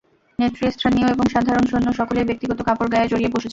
নেতৃস্থানীয় এবং সাধারণ সৈন্য সকলেই ব্যক্তিগত কাপড় গায়ে জড়িয়ে বসে ছিল।